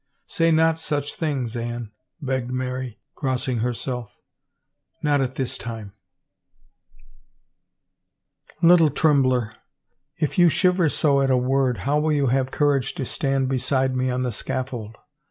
" Say not such things, Anne," begged Mary, crossing herself. " Not at this time." 375 THE FAVOR OF KINGS " Little trembler ! If you shiver so at a word how will you have courage to stand beside me on the scaffold?